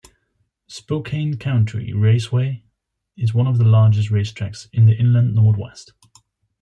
Spokane County Raceway is one of the largest racetracks in the Inland Northwest.